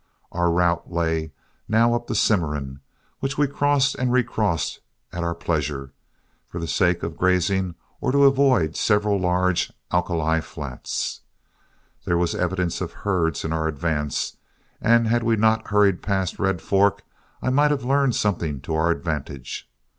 Our route now lay up the Cimarron, which we crossed and recrossed at our pleasure, for the sake of grazing or to avoid several large alkali flats. There was evidence of herds in our advance, and had we not hurried past Red Fork, I might have learned something to our advantage.